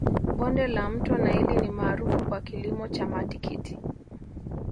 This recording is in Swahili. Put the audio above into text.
bonde la mto naili ni maarufu kwa kilimo cha matikiti